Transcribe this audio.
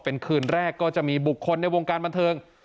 เป็นคืนแรกก็จะมีบุคคลในวงการบันเทิง